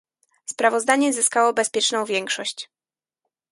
Sprawozdanie zyskało bezpieczną większość